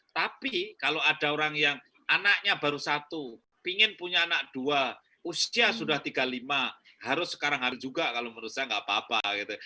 tapi kalau ada orang yang anaknya baru satu pingin punya anak dua usia sudah tiga puluh lima harus sekarang harus juga kalau menurut saya nggak apa apa gitu